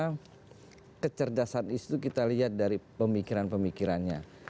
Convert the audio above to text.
karena kecerdasan itu kita lihat dari pemikiran pemikirannya